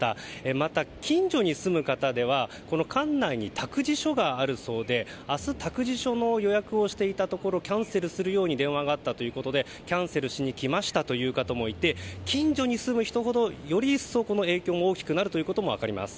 また、近所に住む方では館内に託児所があるそうで明日託児所の予約をしていたところキャンセルするように電話があったということでキャンセルしに来ましたという方もいて近所に住む人ほどより一層影響が大きくなることが分かります。